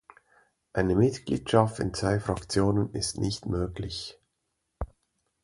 Eine Mitgliedschaft in zwei Fraktionen ist nicht möglich.